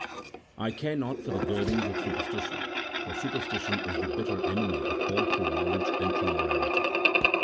I care not for the girdings of superstition, for superstition is the bitter enemy of all true knowledge and true morality.